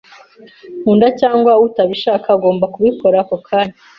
Nkunda cyangwa utabishaka, ugomba kubikora ako kanya.